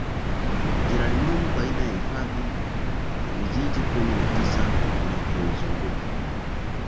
Ujirani mwema baina ya hifadhi na vijiji Kumi na tisa vinavyoizunguka